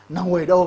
nó ngồi ở đâu